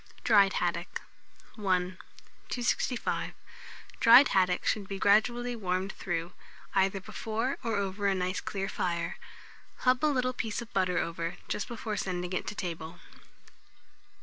DRIED HADDOCK. I. 265. Dried haddock should be gradually warmed through, either before or over a nice clear fire. Hub a little piece of butter over, just before sending it to table.